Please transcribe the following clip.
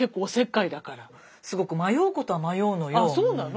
あっそうなの？